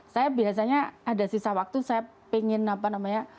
saya biasanya ada sisa waktu saya ingin apa namanya